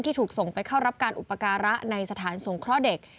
ถูกส่งไปเข้ารับการอุปการะในสถานสงเคราะห์เด็ก